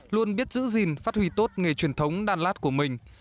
luôn biết giữ gìn phát huy tốt nghề truyền thống đan lát của mình